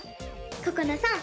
ここなさん